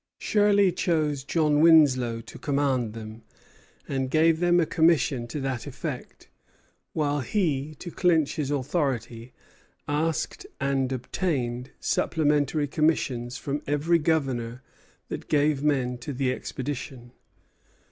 Shirley chose John Winslow to command them, and gave him a commission to that effect; while he, to clinch his authority, asked and obtained supplementary commissions from every government that gave men to the expedition.